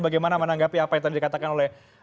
bagaimana menanggapi apa yang tadi dikatakan oleh